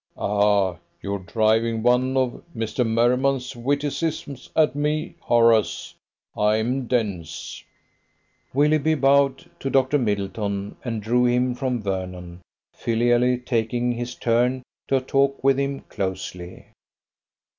"Ah! You are driving one of Mr. Merriman's witticisms at me, Horace; I am dense." Willoughby bowed to Dr. Middleton, and drew him from Vernon, filially taking his turn to talk with him closely.